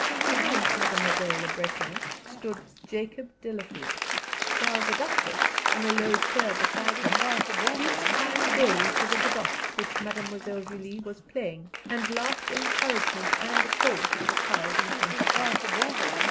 Behind Mademoiselle Le Breton stood Jacob Delafield; while the Duchess, in a low chair beside them, beat time gayly to the gavotte that Mademoiselle Julie was playing and laughed encouragement and applause to the child in front of her.